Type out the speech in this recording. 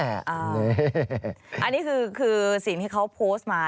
อันนี้คือสิ่งที่เขาโพสต์มา